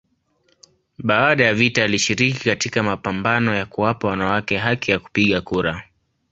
Baada ya vita alishiriki katika mapambano ya kuwapa wanawake haki ya kupiga kura.